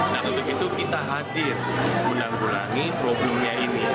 nah untuk itu kita hadir menanggulangi problemnya ini